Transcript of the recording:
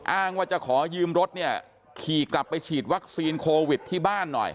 อ้างว่าจะขอยืมรถเนี่ยขี่กลับไปฉีดวัคซีนโควิดที่บ้านหน่อย